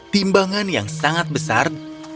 timbangan yang sangat besar